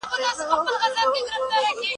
د عبرت پوره درس پکښي نغښتی دی.